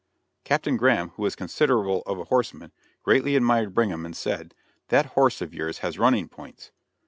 Captain Graham, who was considerable of a horseman, greatly admired Brigham, and said: "That horse of yours has running points."